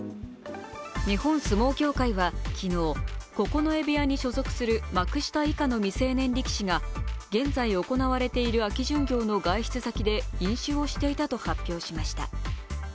日本相撲協会は昨日、九重部屋に所属する幕下以下の未成年力士が、現在行われている秋巡業の外出先で飲酒をしていたと発表しました。